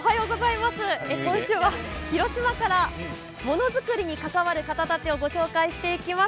今週は広島からものづくりに関わる方たちをご紹介していきます。